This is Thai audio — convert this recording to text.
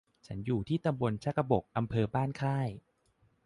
ฉันอยู่ที่ตำบลชากบก อำเภอบ้านค่าย